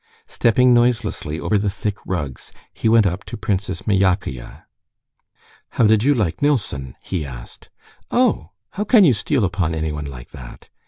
Stepping noiselessly over the thick rugs, he went up to Princess Myakaya. "How did you like Nilsson?" he asked. "Oh, how can you steal upon anyone like that!